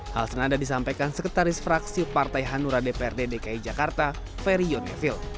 hal senada disampaikan sekretaris fraksi partai hanura dprd dki jakarta ferry yonevil